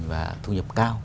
và thu nhập cao